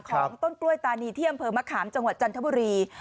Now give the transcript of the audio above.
ของต้นกล้วยตานีที่อำเภอมะขามจังหวัดจันทบุรี